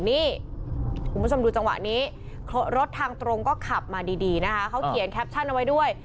นี่คุณผู้ชมดูจังหวะนี้รถทางตรงก็ขับมาดีนะคะเขาเขียนแคปชั่นเอาไว้ด้วย